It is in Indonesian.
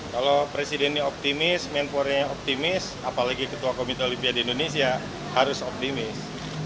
kalau presidennya optimis menporanya optimis apalagi ketua komite olimpiade indonesia harus optimis